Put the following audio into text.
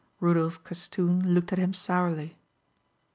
Rudolph Castoon looked at him sourly.